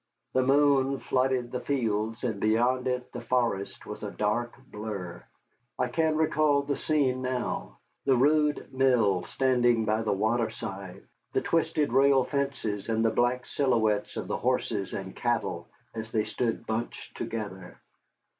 The moon flooded the fields, and beyond it the forest was a dark blur. I can recall the scene now, the rude mill standing by the water side, the twisted rail fences, and the black silhouettes of the horses and cattle as they stood bunched together.